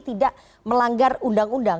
tidak melanggar undang undang